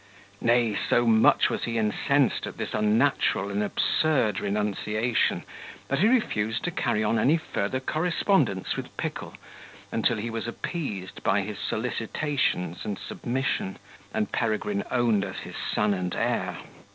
Nay, so much was he incensed at this unnatural and absurd renunciation, that he refused to carry on any further correspondence with Pickle, until he was appeased by his solicitations and submission, and Peregrine owned as his son and heir.